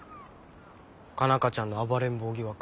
佳奈花ちゃんの暴れん坊疑惑。